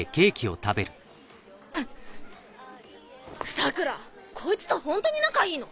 桜良こいつとホントに仲いいの？